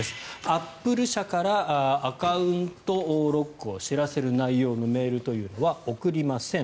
アップル社からアカウントロックを知らせる内容のメールというのは送りません。